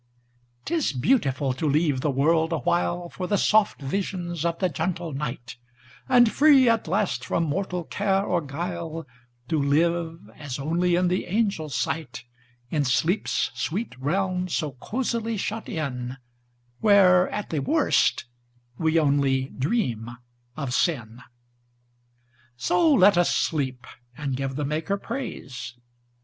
'T is beautiful to leave the world awhileFor the soft visions of the gentle night; And free, at last, from mortal care or guile, To live as only in the angels' sight, In sleep's sweet realm so cosily shut in, Where, at the worst, we only dream of sin! So let us sleep, and give the Maker praise.